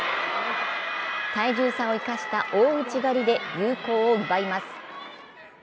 体重差を生かした大内刈りで有効を奪います。